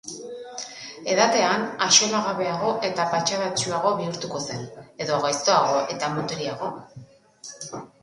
Edatean, axolagabeago eta patxadatsuago bihurtuko zen, edo gaiztoago eta mutiriago?